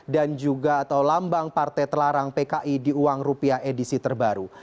dan juga atau lambang partai telarang pki di uang rupiah edisi terbaru